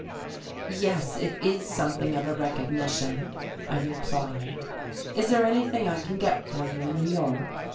"Yes, it is something of a recognition," I replied. "Is there anything I can get for you in New York?